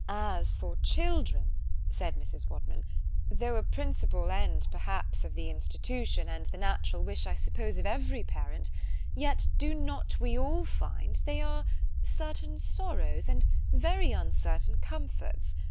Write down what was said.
——As for children—said Mrs. Wadman—though a principal end perhaps of the institution, and the natural wish, I suppose, of every parent—yet do not we all find, they are certain sorrows, and very uncertain comforts?